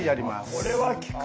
これは効く。